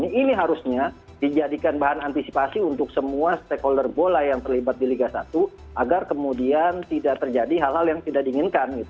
nah ini harusnya dijadikan bahan antisipasi untuk semua stakeholder bola yang terlibat di liga satu agar kemudian tidak terjadi hal hal yang tidak diinginkan